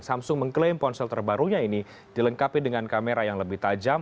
samsung mengklaim ponsel terbarunya ini dilengkapi dengan kamera yang lebih tajam